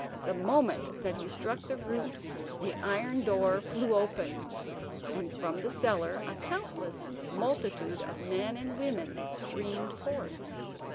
The moment that he struck the root the iron door flew open, and from the cellar a countless multitude of men and women streamed forth.